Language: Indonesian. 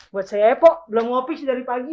buat saya ya pok belum ngopi sih dari pagi